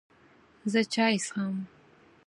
زه چای څښم